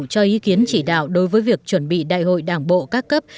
cho ý kiến chỉ đạo đối với việc chuẩn bị đại hội đảng bộ các cấp